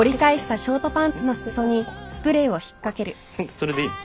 それでいいの？